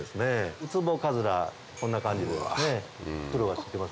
ウツボカズラこんな感じですね。